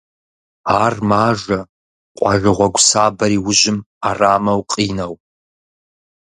Ар мажэ къуажэ гьуэгу сабэр и ужьым ӏэрамэу къинэу.